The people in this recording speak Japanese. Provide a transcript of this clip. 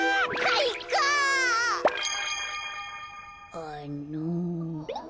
あの。